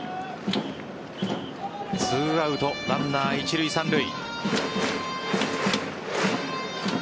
２アウトランナー一塁・三塁。